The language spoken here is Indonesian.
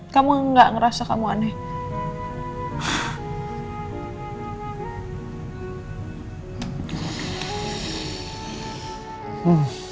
kamu gak ngerasa kamu aneh